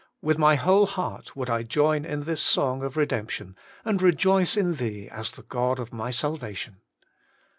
' With my whole heart would I join in this song of redemption, and rejoice in Thee as the God of my salvation.